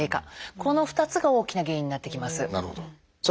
この２つが大きな原因になってきます。